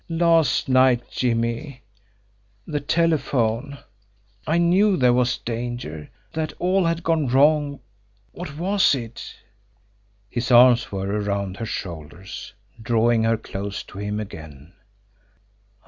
Last night, Jimmie the telephone I knew there was danger that all had gone wrong what was it?" His arms were around her shoulders, drawing her close to him again.